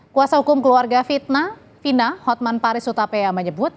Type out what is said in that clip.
kuasa hukum keluarga vina hotman paris sutapea menyebut